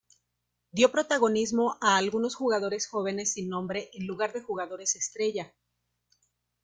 Dio protagonismo a algunos jugadores jóvenes sin nombre en lugar de jugadores estrella.